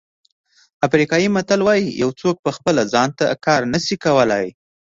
افریقایي متل وایي یو څوک په خپله ځان ته کار نه شي کولای.